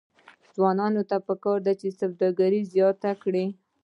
ځوانانو ته پکار ده چې، سوداګري زیاته کړي.